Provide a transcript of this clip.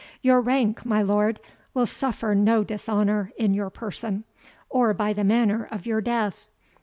"Your rank, my lord, will suffer no dishonour in your person, or by the manner of your death.